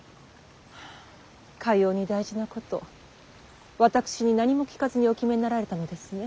かように大事なこと私に何も聞かずにお決めになられたのですね。